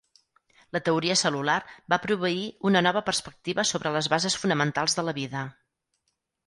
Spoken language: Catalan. La teoria cel·lular va proveir una nova perspectiva sobre les bases fonamentals de la vida.